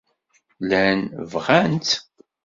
Llan bɣan-tt.